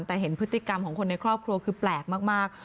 แต่เห็นพฤติกรรมของคนในครอบครัวคือแปลกมาก